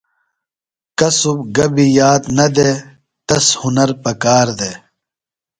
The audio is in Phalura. کُصب گبیۡ یاد نہ دےۡ، تس ہُنر پکار دےۡ